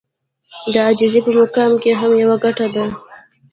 د عاجزي په مقام کې هم يوه ګټه ده.